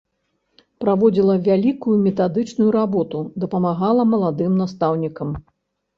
Праводзіла вялікую метадычную работу, дапамагала маладым настаўнікам.